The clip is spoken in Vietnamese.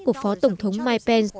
của phó tổng thống mike pence